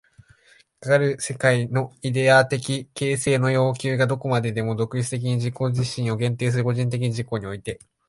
かかる世界のイデヤ的形成の要求がどこまでも独立的に自己自身を限定する個人的自己において、